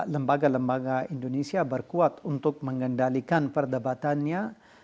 lembaga lembaga indonesia berkuat untuk mengendalikan perdebatannya